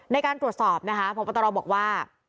ในการตรวจสอบพปฎบอกว่า